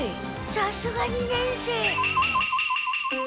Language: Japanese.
さすが二年生。